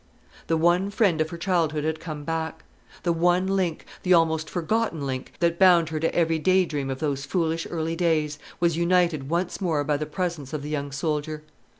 The one friend of her childhood had come back. The one link, the almost forgotten link, that bound her to every day dream of those foolish early days, was united once more by the presence of the young soldier.